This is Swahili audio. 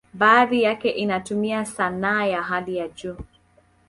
Baadhi yake inatumia sanaa ya hali ya juu.